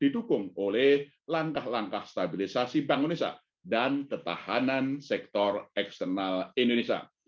didukung oleh langkah langkah stabilisasi bank indonesia dan ketahanan sektor eksternal indonesia